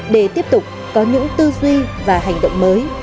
để tiếp tục có những tư duy và hành động mới